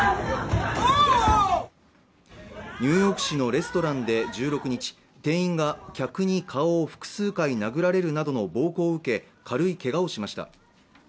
ニューヨーク市のレストランで１６日、店員が客に顔を複数回殴られるなどの暴行を受け、軽いけがをしました。